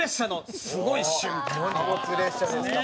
貨物列車ですか。